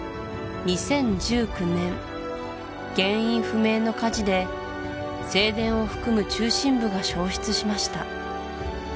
２０１９年原因不明の火事で正殿を含む中心部が焼失しました